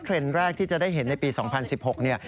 เทรนด์แรกที่จะได้เห็นในปี๒๐๑๖